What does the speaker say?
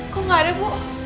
kok gak ada bu